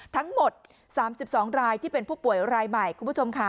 ทั้งหมด๓๒รายที่เป็นผู้ป่วยรายใหม่คุณผู้ชมค่ะ